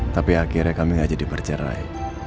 tapi akhirnya kami tidak jadi percerai